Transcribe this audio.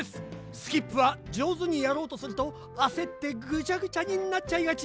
スキップはじょうずにやろうとするとあせってぐちゃぐちゃになっちゃいがち！